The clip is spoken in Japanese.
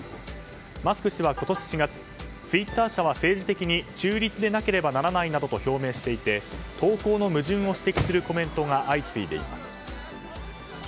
マスク氏は今年４月ツイッター社は政治的に中立でなければならないなどと表明していて投稿の矛盾を指摘するコメントが相次いでいます。